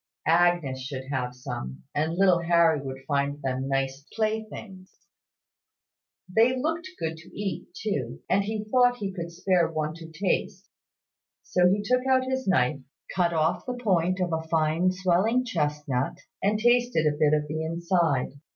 Agnes should have some; and little Harry would find them nice playthings. They looked good to eat too; and he thought he could spare one to taste; so he took out his knife, cut off the point of a fine swelling chestnut, and tasted a bit of the inside.